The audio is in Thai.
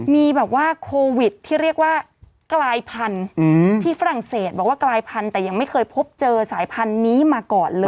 มีการกลายพันธุ์แต่ยังไม่เคยพบเจอสายพันธุ์นี้มาก่อนเลยด้วย